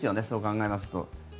そう考えますと。